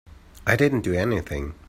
I didn't do anything.